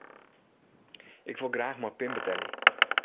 Ik wol graach mei de pin betelje.